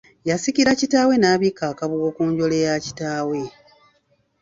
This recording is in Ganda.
Yasikira kitaawe n'abikka akabugo ku njole ya kitaawe.